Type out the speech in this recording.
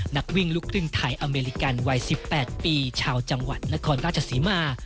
นักวิ่งลูกครึ่งไทยอเมริกันวัย๑๘ปีชาวจังหวัดนครราชศรีมา